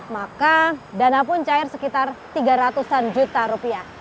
maka dana pun cair sekitar tiga ratus an juta rupiah